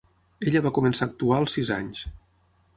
Ella va començar a actuar als sis anys.